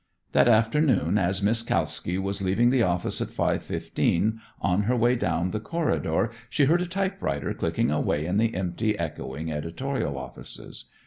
That afternoon as Miss Kalski was leaving the office at 5:15, on her way down the corridor she heard a typewriter clicking away in the empty, echoing editorial offices.